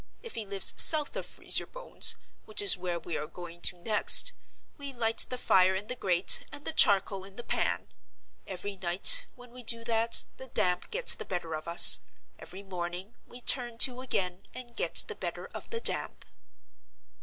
If he lives South of Freeze your Bones—which is where we are going to next—we light the fire in the grate and the charcoal in the pan. Every night, when we do that, the damp gets the better of us: every morning, we turn to again, and get the better of the damp."